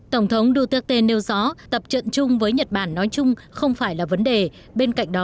tổng thống duterte nêu rõ tập trận chung với nhật bản nói chung không phải là một cuộc diễn tập